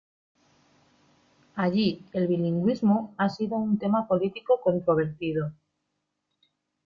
Allí, el bilingüismo ha sido un tema político controvertido.